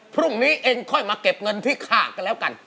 พรุ่งนี้เองค่อยมาเก็บเงินที่ค่ากันแล้วกัน